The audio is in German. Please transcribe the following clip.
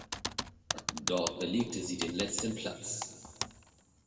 Dort belegte sie den letzten Platz.